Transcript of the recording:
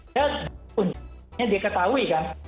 dan kuncinya diketahui kan